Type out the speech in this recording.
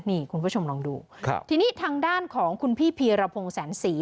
นี่คุณผู้ชมลองดูครับทีนี้ทางด้านของคุณพี่พีรพงศ์แสนศรี